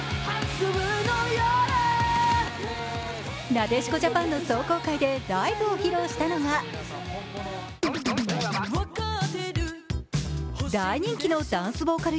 なでしこジャパンの壮行会でライブを披露したのは大人気のダンスボーカル